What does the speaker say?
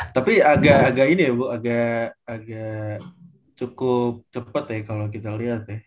tapi agak agak ini ya bu agak cukup cepat ya kalau kita lihat ya